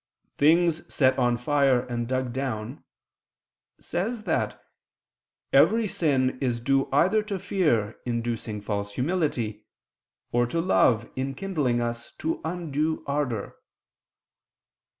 79:17, "Things set on fire and dug down," says that "every sin is due either to fear inducing false humility, or to love enkindling us to undue ardor."